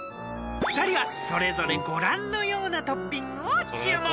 ［２人はそれぞれご覧のようなトッピングを注文］